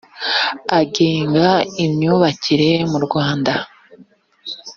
agenga imyubakire mu rwanda